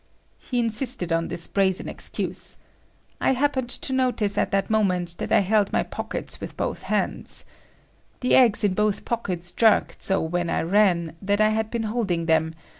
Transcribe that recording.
He insisted on this brazen excuse. I happened to notice at that moment that I had held my pockets with both hands. The eggs in both pockets jerked so when I ran, that I had been holding them.